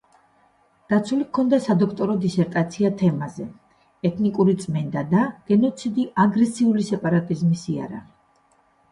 დაცული ჰქონდა სადოქტორო დისერტაცია თემაზე „ეთნიკური წმენდა და გენოციდი აგრესიული სეპარატიზმის იარაღი“.